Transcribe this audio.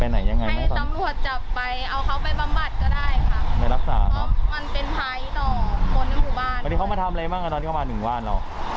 ทีนี้คือเราอยู่คนเดียวในห้องถ้าพูดถึงถ้าแม่ไม่อยู่พ่อไม่อยู่คือ